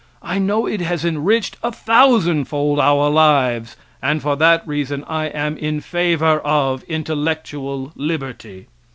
I know it has enriched a thousand fold our lives; and for that reason I am in favor of intellectual liberty.